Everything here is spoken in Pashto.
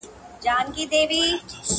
o چي بې گدره گډېږي، خود بې سين وړي!